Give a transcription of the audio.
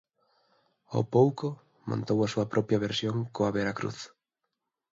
Ao pouco, montou a súa propia versión coa Veracruz.